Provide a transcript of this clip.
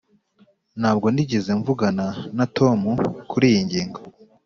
ntabwo nigeze mvugana na tom kuriyi ngingo.